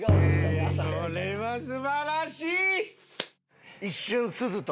これは素晴らしい！